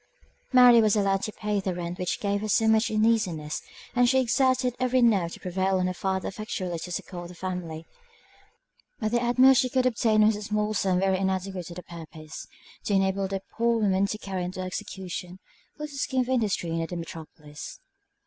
Mary was allowed to pay the rent which gave her so much uneasiness, and she exerted every nerve to prevail on her father effectually to succour the family; but the utmost she could obtain was a small sum very inadequate to the purpose, to enable the poor woman to carry into execution a little scheme of industry near the metropolis.